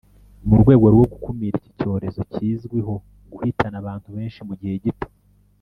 mu rwego rwo gukumira iki cyorezo kizwiho guhitana abantu benshi mu gihe gito